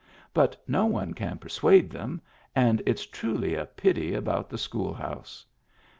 But no one can persuade them, and it's truly a pity about the school house."